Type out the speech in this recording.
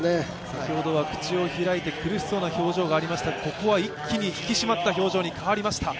先ほどは口を開いて苦しそうな表情がありましたがここは一気に引き締まった表情に変わりました。